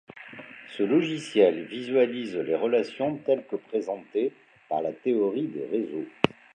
Ce logiciel visualise les relations telles que présentées par la théorie des réseaux.